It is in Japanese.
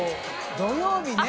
△土曜日ね。